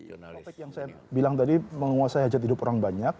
yang saya bilang tadi menguasai hajat hidup orang banyak